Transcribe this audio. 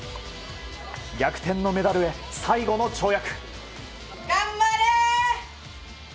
逆転のメダルへ最後の跳躍。